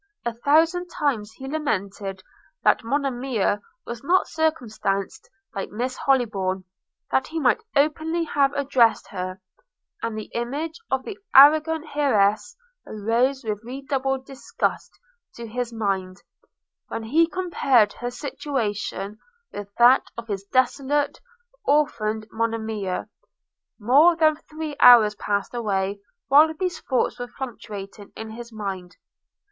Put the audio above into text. A thousand times he lamented that Monimia was not circumstanced like Miss Hollybourn, that he might openly have addressed her: and the image of the arrogant heiress arose with redoubled disgust to his mind, when he compared her situation with that of his desolate, orphan'd Monimia. More than three hours passed away while these thoughts were fluctuating in his mind.